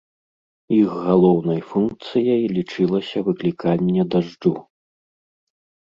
Іх галоўнай функцыяй лічылася выкліканне дажджу.